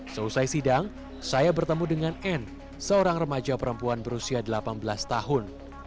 selesai sidang saya bertemu dengan anne seorang remaja perempuan berusia delapan belas tahun